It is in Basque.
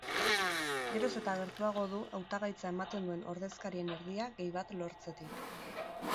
Geroz eta gertuago du, hautagaitza ematen duen ordezkarien erdia gehi bat lortzetik.